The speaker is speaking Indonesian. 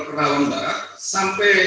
perawan barat sampai